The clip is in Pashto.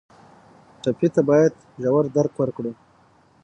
ټپي ته باید ژور درک ورکړو.